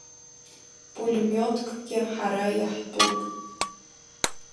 Пулемиоткгьы ҳара иаҳтәуп!